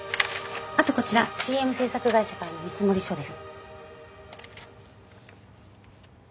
あとこちらＣＭ制作会社からの見積書です。